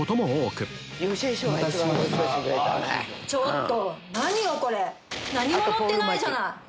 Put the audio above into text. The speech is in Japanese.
ちょっと！